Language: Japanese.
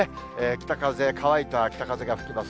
北風、乾いた北風が吹きます。